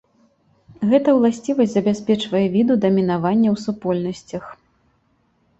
Гэта ўласцівасць забяспечвае віду дамінаванне ў супольнасцях.